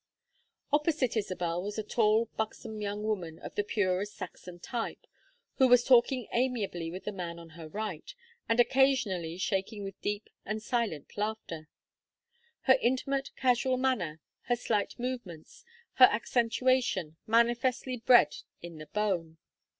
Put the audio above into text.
Opposite Isabel was a tall buxom young woman of the purest Saxon type, who was talking amiably with the man on her right, and occasionally shaking with deep and silent laughter; her intimate casual manner, her slight movements, her accentuation, manifestly bred in the bone.